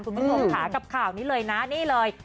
คุณผู้ชมค่ะกับข่าวนี้เลยนะนี่เลย